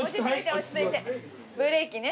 ブレーキね。